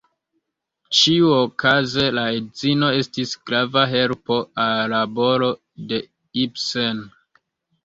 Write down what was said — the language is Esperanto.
Ĉiuokaze la edzino estis grava helpo al la laboro de Ibsen.